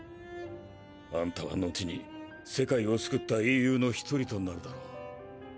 あんたは後に世界を救った英雄の一人となるだろう。